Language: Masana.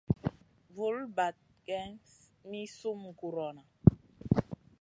Vul bahd geyn mi sum gurona.